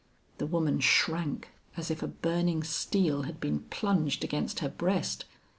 The woman shrank as if a burning steel had been plunged against her breast.